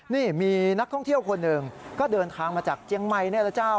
นี่มีนักท่องเที่ยวคนหนึ่งก็เดินทางมาจากเจียงใหม่นี่แหละเจ้า